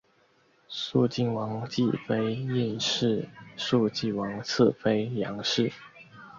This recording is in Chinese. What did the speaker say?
肃靖王继妃晏氏肃靖王次妃杨氏